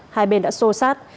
hai bên đã xô xát